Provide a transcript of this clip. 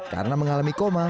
karena mengalami koma